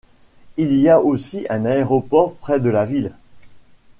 Il y a aussi un aéroport près de la ville.